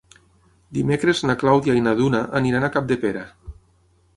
Dimecres na Clàudia i na Duna aniran a Capdepera.